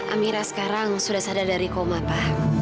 amira sekarang sudah sadar dari koma pak